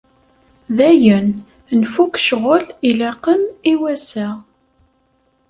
Dayen, nfukk ccɣel ilaqen i wassa.